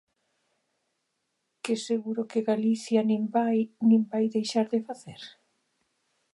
¿Que seguro que Galicia nin vai nin vai deixar de facer?